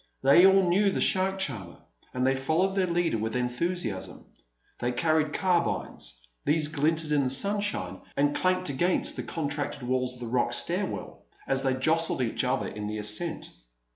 They all knew the shark charmer, and they followed their leader with enthusiasm. They carried carbines; these glinted in the sunshine, and clanked against the contracted walls of the rock stairway as they jostled each other in the ascent.